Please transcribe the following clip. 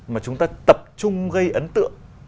mà chúng ta tập trung gây ấn tượng